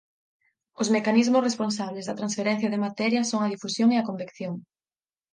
Os mecanismos responsables da transferencia de materia son a difusión e a convección.